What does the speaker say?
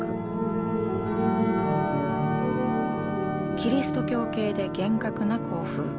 キリスト教系で厳格な校風。